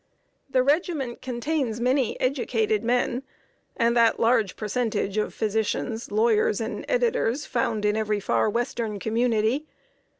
] The regiment contains many educated men, and that large percentage of physicians, lawyers, and editors, found in every far western community.